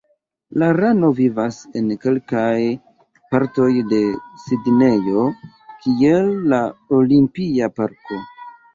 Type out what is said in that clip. La rano vivas en kelkaj partoj de Sidnejo, kiel la olimpia parko.